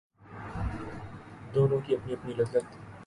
دونوں کی اپنی اپنی لذت ہے